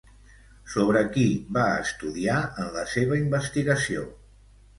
Sobre qui va estudiar en la seva investigació?